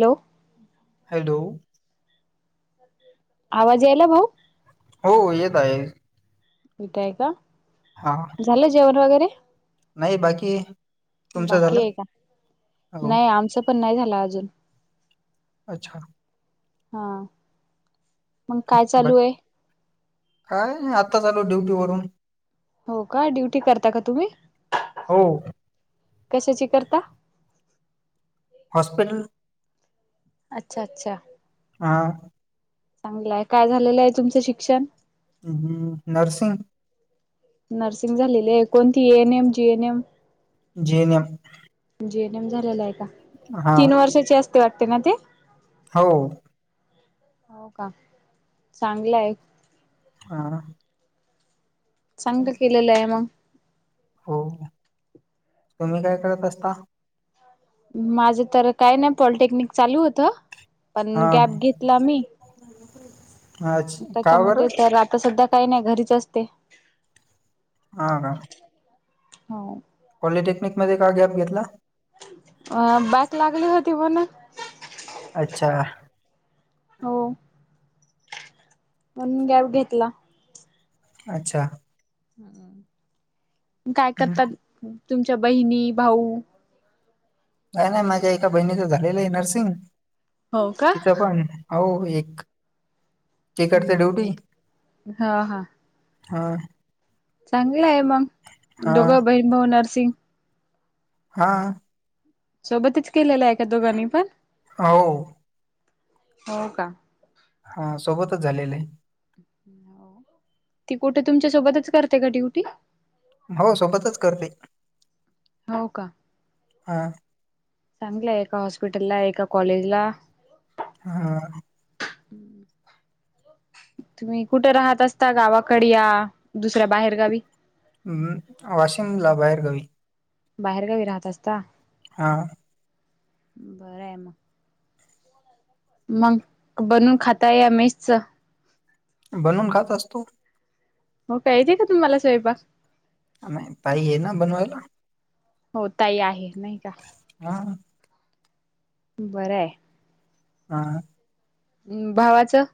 Low hello. आवाज यायला भाऊ? हो येत आहे. विताय का हां. झालं जेवण वगैरे? नाही बाकी तुमचं बाकी झालं आहे का हो नाही आमचं पण नाही झालं अजून. अच्छा हां. ब काय नाही आताच आलो ड्युटी वरून. हो का ड्युटी करता का तुम्ही? हो. कशाची करता? हॉस्पिटल अच्छा अच्छा. हां. चांगलंय काय झालेलं आहे तुमचं शिक्षण? उम्म हम्म नर्सिंग नर्सिंग झालेली आहे कोणती N M G N M? जेनयम G N M झालेला आहे का हां तीन वर्षाची असते वाटते ना ते. हाव हो का चांगलं आहे. हां. चांगलं केलेलं आहे मग. हो ना तुम्ही काय करत असता? माझं तर काय नाही पॉलिटेक्निक चालू होतं पण गॅप हां घेतला मी. [unintelligible] का बरं त्याच्यामध्ये तर आता सध्या काही नाही घरीच असते. हां का? होव पॉलिटेक्निक मध्ये का गॅप घेतला? अ बाईक लागली होती मनं. अच्छा. हो. म्हणून गॅप घेतला. अच्छा हम्म काय हं. करतात तुमच्या बहिणी, भाऊ? काय नाही माझ्या एका बहिणीच झालेलं आहे नर्सिंग हो का? तिचं पण अहो एक तिकडचे हम्म ड्युटी हा हा हां. चांगलं आहे मग हां दोघं बहीण, भाऊ नरसिंग. हां. सोबतीच केलेलं आहे का दोघांनी पण? आव हो का? हा सोबतच झालेले. ह्यो ती कुठे तुमच्यासोबतच करते का ड्यूटी? हो सोबतच करते. हो. का? हां. चांगलं आहे, एका हॉस्पिटलला, एका कॉलेजला. हा. तुम्ही कुठे? राहत असता, गावाकड या दुसऱ्या बाहेरगावी. हमं. वाशिम ला बाहेर गावी. बाहेरगावी राहत असता. हा.. बरं आहे मग. मग बनवून खाता या मेसचं. बनवून खात असतो. मग पाहिजे का, तुम्हाला स्वयंपाक. आम्ही हा ताई आहे ना बनवायला. हो. ताई आहे नाही का? हां. बरंय. हा.. हमं. भावाचं.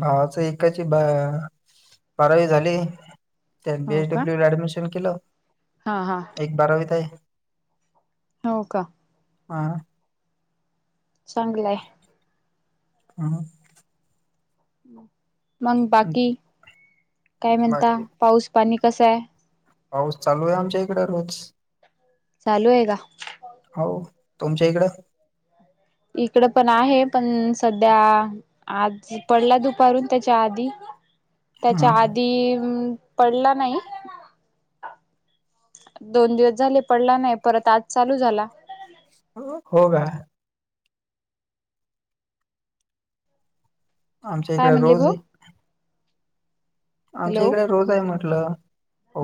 भावाचे एकाची, ब बारावी झाली. त्यान हो बीएच. का डब्ल्यू. ला ऍडमिशन केलं. हा. हा. एक बारावीत आहे. हो. का? हां. चांगलं आहे. हं.. मग बाकी काय म्हणता, बाकी पाऊस पाणी कसं आहे. पाऊस चालू आहे, आमच्या इकडे रोज. चालू आहे का? हावू तुमच्या इकडं? इकड पण आहे, पण सध्या. आज पडला दुपारून, त्याच्या आधी, त्याच्या हां. आधी.. पडला नाही. दोन दिवस झाले पडला नाही, परत आज चालू झाला. ह. हो. का? आमच्या काय इकडे म्हणले रोज भाऊ? आहे. हॅलो आमच्या इकडे रोज आहे. म्हटलं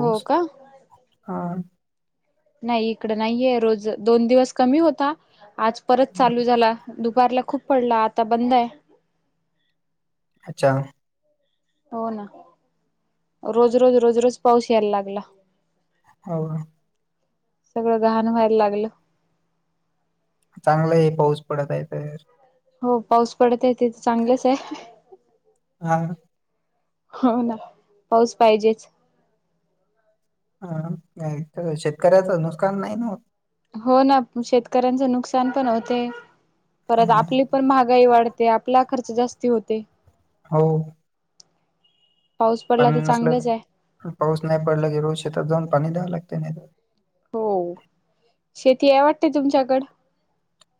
हो का हा. नाही इकडं नाहीये, रोज दोन दिवस कमी होता आज परत हां. चालू झाला. दुपारला खूप पडला, आता बंद आहे. अच्छा. हो. ना. रोज, रोज, रोज, रोज पाऊस यायला लागला. हावू.. सगळं घाण व्हायला लागलं. चांगलाय आहे. पाऊस पडत आहे तर. हो पाऊस पडत आहे, ते तर चांगलेच ये. हां. हो ना, पाऊस पाहिजेच. डायरेक्ट शेतकऱ्याचं नुकसान नाही ना होत. हो. ना, शेतकऱ्यांचे नुकसान पण, होते परत हं, आपली पण महागाई वाढते, आपला खर्च जास्ती होते. हो. पाऊस पडला पाणी तर चांगलंच आहे नसलं पाऊस नाही पडला की, रोज शेतात जाऊन पाणी द्यावं लागते नाही तर. हो, शेती आहे वाटते तुमच्याकड.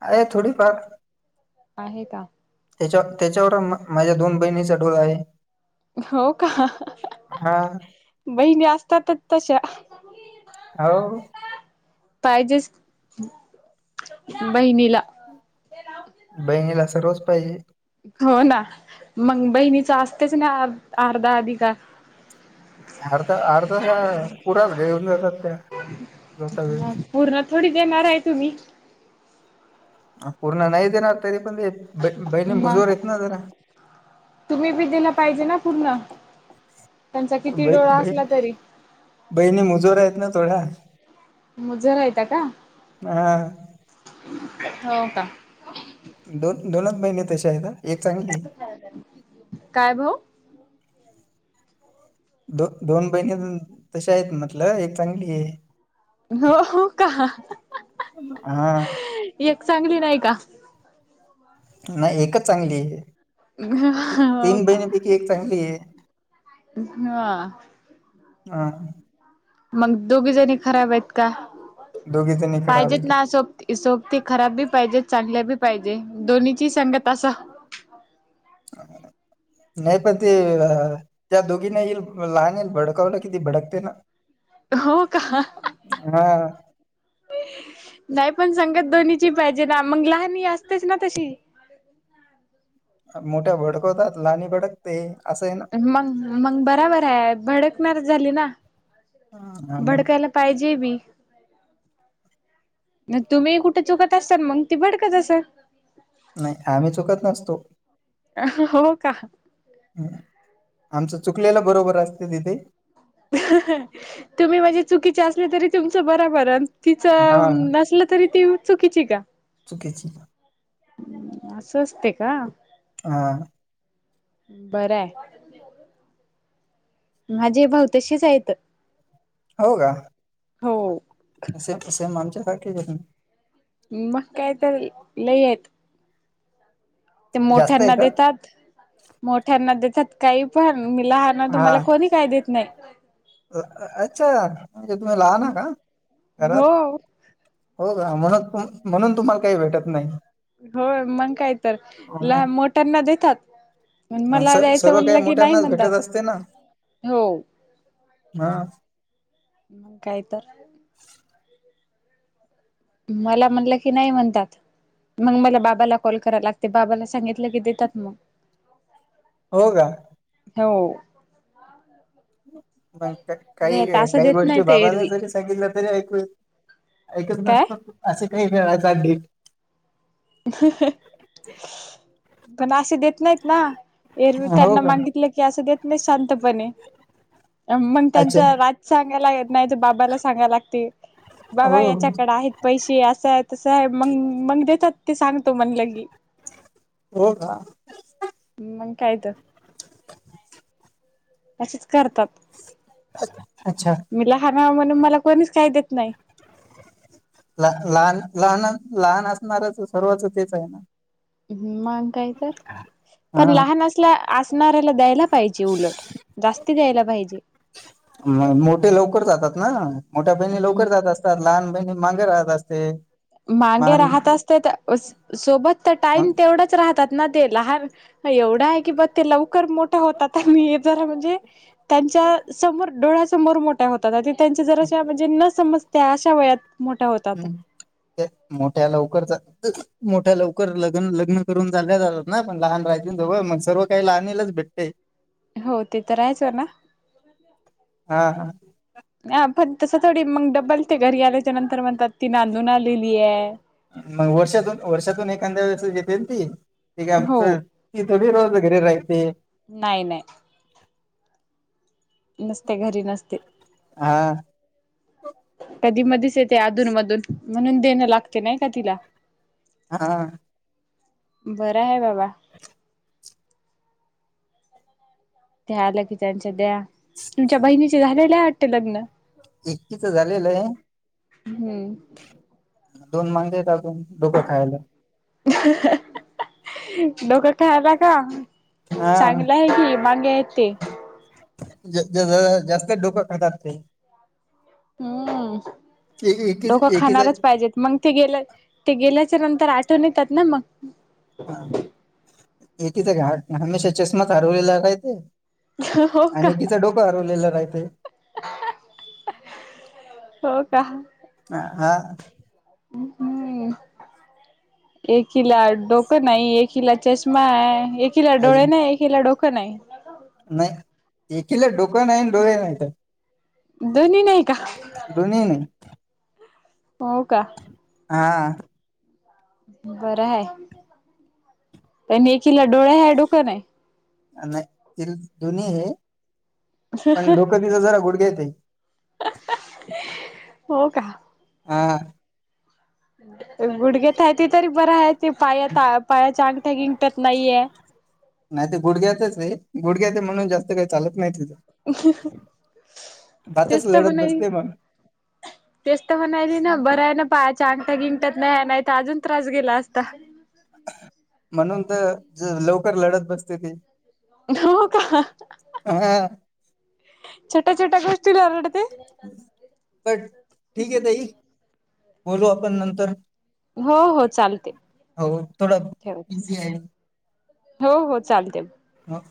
आहे थोडीफार. आहे का. तेच्या त्याच्यावर माझ्या, दोन बहिणीचा डोळा आहे. हो का, हा बहिणी असतातच तशा. हौ. पाहिजेच बहिणीला. बहिणीला सर्वच पाहिजे. हो ना, मग बहिणीच असतेच ना, अर्धा आधी का. अर्धा अर्धा काय पुराच घेऊन जातात, त्या जाता वेळेस. मग पूर्ण थोडी देणार आहे तुम्ही. पूर्ण नाही देणार तरी पण, बहिणी मजोर मग आहेत ना जरा. तुम्ही बी दिला पाहिजे ना पूर्ण, त्यांचा किती ही बै- डोळा बै- असला तरी. बहिणी मजूऱ्या आहेत ना थोड्या. मुजरा येता का, हा हो का. दोन दोनच बहिणी तसे आहेत, हं एक चांगली ये. काय भाऊ. दो दोन बहिणी तश आहेत, म्हटलं एक चांगली आहे. हो हो का, हा एक चांगली नाही का. नाही एकच चांगली ये. हो तीन का बहिणीपैकी, एक चांगली ये. हा हा. मग दोघी जणी खराब आहेत का, दोघी जणी खराब पाहिजेत आहेत ना सोबती. सोबती खराब बी पाहिजे, चांगल्या बी पाहिजे दोन्हीची संगत असावं. [unintelligible] नाही पण ते त्या दोघीना येईल, लहान येईल भडकावलं कि ती भडकते ना. हो का. हा नाही पण सांगत दोन्हीची पाहिजे ना, मग लहान हे असतेच ना तशी. मोठ्या भडकवतात, लाहनी भडकते असं आहे ना. मग मग बराबर आहे, भडकणार झाली ना. हा मग भडकायला पाहिजे बी, तुम्ही कुठे चौकत तसं मग ती, भडकत असलं. नाही आम्ही चुकत नसतो. अं.. हो का. आमचं चुकलेला बरोबर असते. [unintelligible] तुम्ही म्हणजे चुकीचे असले, तरी तुमचं बरोबरण. हा तिचं नसलं तरी, ती चुकीची का. चुकीची असं असते का. हां.. बरायं. माझे भाऊ तशीच आहेत. हो का. हो असे तसे आमच्यासारखे [unintelligible] मग काय तर लै येत. ते जास्त आहे मोठ्यांना का? देतात मोठ्यांना देतात, काही पण मी लहान आहे हा तर कोणी. काय देत नाही. अच्छा म्हणजे तुम्ही लहान हा का हो घरात? हो गं म्हणून म्हणून, तुम्हाला काही भेटत नाही. होय मग काय तर, अं, मग लहान मोठ्यांना देतात. मग मला स- द्यायचं सर्व काही म्हणलं की, नाही मोठ्यांनाच म्हणतात भेटत असते हो. हां. काय तर मला म्हणलं की नाही म्हणतात. मग मला बाबाला कॉल करा लागते बाबाला सांगितलं की देतात मग. हो का? हो. मंग का नाही काही आता असं काही देत गोष्टी नाही ते बाबाला एरवी जरी [unintelligible] तरी ऐकू ऐकत काय नसतं असं काही मिळायचं अं. डींग पण अशी देत नाहीत ना एरवी हो त्यांना का मागितलं की असं देत नाही शांतपणे. मग त्यांच अच्छा राज सांगायला येत नाही तर बाबाला सांगायला लागते हो बाबा याच्याकडे आहेत. पैशे असं आहे तसं आहे मंग मंग देतात ते सांगतो म्हण लगी. हो का? मंग काय तर अशेच करतात अच्छा मी लहान हाय म्हणून मला कोणीच काही देत नाही. लहान लहान लहान, असणारच सर्वात तेच आहे ना. हम्म.. मग काय तर, पण हा लहान असल्या असणाऱ्याला द्यायला पाहिजे उलट जास्ती द्यायला पाहिजे. म मोठे लवकर जातात ना मोठ्या बहिणी लवकर जातात. लहान बहिणी माांगे राहत असते. मागे महान राहतं असती ते तर सोबत तर टाइम मग तेवढाच राहतात ना, ते लहान एवढं आहे की बग. ते लवकर मोठा होतात मी हे जरा म्हणजे त्यांच्या समोर डोळ्या समोर मो ठा होतात त्यांच्या जराशा म्हणजे न समजत्या अशा वयात मोठ्या होतात. हम्म ते मोठ्या लवकरचा मोठ्या लवकर लग्न लग्न करून झाल्या जातात ना, पण लहान राहिज जवळ मग सर्व काही लहानलाच भेटते. हो ते तर राहायचं ना. हा आपण तसं थोडी मग डब्बल ते घरी आल्याच्या नंतर म्हणतात ती नांदून आलेली आहे. मग वर्षातून वर्षातून एखांद्या वेळेस घेते ती. ते काय आमच हो ती थोडी रोज घरी राहते. नाय नाय. नसते घरी नसते. हा. कधी मधीच येते अधून मधून म्हणून देणं लागते नाही का तिला. आ हा. बरं आहे बाबा. ते आलं की त्यांच्या द्या तुमच्या बहिणीचे झालेल्या वाटते लग्न. एक्किचा झालेलं आहे. हम्म दोन मांगे येत आपून डोकं खायला. डोकं. खेळायला का हा चांगलं आहे की मांगे आहेत ते. तेचं जास्तच डोकं खातात ते. हम्म डोकं एकीच एकीचा खाणारच पाहिजेत. मग ते गेल्या ते गेल्याच्या नंतर आठवण येतात ना मग. हा इतिचा घाट हमेशा चष्माच हरवलेला काय ते. हो. का आणि तिच डोकं हरवलेलं राहंतय. हो का. अ.. आं.. अम्म हम्म. एकिला डोकं नाही एक किला चष्मा आहे एकिला डोळे अजून नाही एकिला डोकं नाही. नाही एकीला डोकं नाही, डोळे नाहीत. दोन्हीही नाही का? दोन्हीही नाही. हो का? हा. बर हाय. लेकिला डोळे हाय, डोक नाही. नाही तिला दोन्ही आहे, पण डोकं तिचं जरा गुडघ्यात आहे. हो का. हां. गुडघ्यात हाय ते तरी बर आहे ते पाया-पायाच्या अंगठ्या गिंट्यात नाहीये. नाही ते गुडघ्यातच रे गुडघ्या ते, म्हणून जास्त काही चालत नाही तिथं. तेच भातच तर लढत म्हणाली. बसते मग तेचत म्हणाली ना बरं आहे ना, पायाच्या अंगठ्या गिंगटात नाही नाहीत अजून त्रास गेला असता. म्हणून तर लवकर लढत बसते ती. हो कां, हा छोट्या छोट्या गोष्टी रडते. बर ठीक आहे ताई, बोलू आपण नंतर. हो हो, चालते हो थोडा ठेवा बिझी आहे ठेवा. हो हो चालतंय. हा.